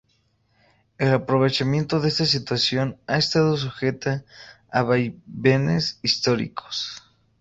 El aprovechamiento de esta situación ha estado sujeta a vaivenes históricos.